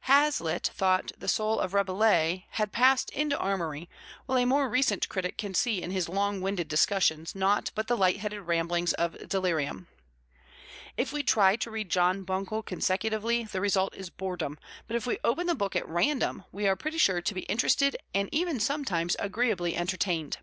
Hazlitt thought that the soul of Rabelais had passed into Amory, while a more recent critic can see in his long winded discussions naught but the "light headed ramblings of delirium." If we try to read John Buncle consecutively, the result is boredom; but if we open the book at random, we are pretty sure to be interested and even sometimes agreeably entertained.